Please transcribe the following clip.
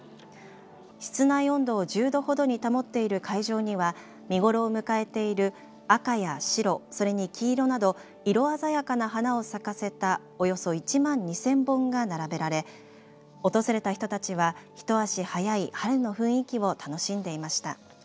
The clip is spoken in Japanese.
室内温度を１０度ほどに保っている会場には見頃を迎えている赤や白、それに黄色など色鮮やかな花を咲かせたおよそ１万２０００本が並べられ訪れた人たちはひと足早い春の雰囲気を楽しんでいました。